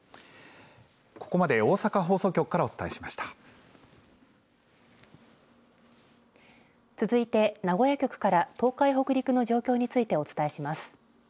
ここまで大阪放送局からお伝えし続いて名古屋局から、東海、北陸の状況についてお伝えします。